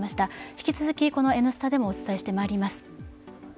引き続き、この「Ｎスタ」でもお伝えしてまいります。